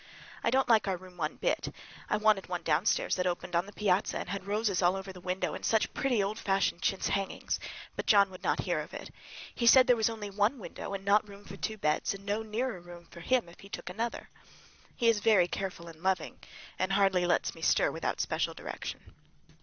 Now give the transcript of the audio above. I don't like our room a bit. I wanted one downstairs that opened on the piazza and had roses all over the window, and such pretty old fashioned chintz hangings! but John would not hear of it. He said there was only one window and not room for two beds, and no near room for him if he took another. He is very careful and loving, and hardly lets me stir without special direction.